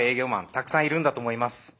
たくさんいるんだと思います。